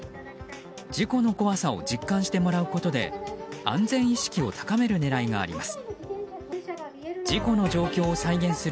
事故の怖さを実感してもらうことで安全意識を高める狙いがあります。